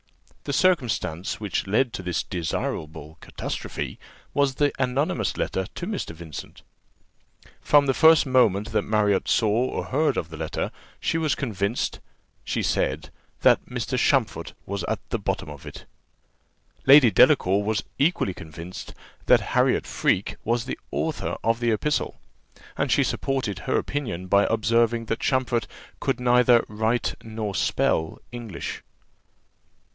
The circumstance which led to this desirable catastrophe was the anonymous letter to Mr. Vincent. From the first moment that Marriott saw or heard of the letter, she was convinced, she said, that "Mr. Champfort was at the bottom of it." Lady Delacour was equally convinced that Harriot Freke was the author of the epistle; and she supported her opinion by observing, that Champfort could neither write nor spell English.